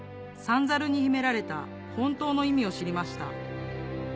三猿に秘められた本当の意味を知りました